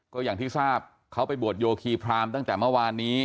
ก็อย่างที่ทราบเขาไปบวชโยคีพรามตั้งแต่เมื่อวานนี้